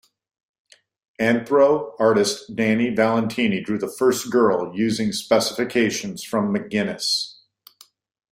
Anthro artist Danny Valentini drew the first girl using specifications from McGuinness.